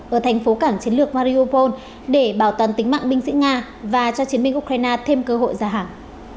ở thành phố cảng chiến lược mariopol để bảo toàn tính mạng binh sĩ nga và cho chiến binh ukraine thêm cơ hội ra hàng